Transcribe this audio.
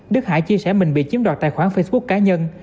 đức hải chia sẻ mình bị chiếm đoạt tài khoản facebook cá nhân